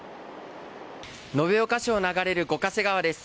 延岡市を流れる五ヶ瀬川です。